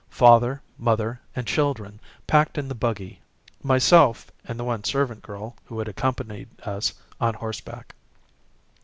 Father, mother, and children packed in the buggy, myself, and the one servant girl, who had accompanied us, on horseback.